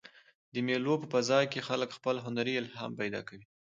د مېلو په فضا کښي خلک خپل هنري الهام پیدا کوي.